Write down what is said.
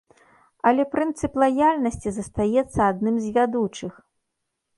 Але прынцып лаяльнасці застаецца адным з вядучых.